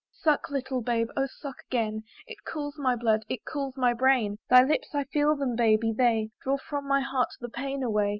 Suck, little babe, oh suck again! It cools my blood; it cools my brain; Thy lips I feel them, baby! they Draw from my heart the pain away.